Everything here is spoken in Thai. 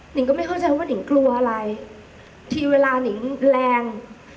หนึ่งก็ไม่เข้าใจว่าหนึ่งกลัวอะไรทีเวลาหนึ่งแรง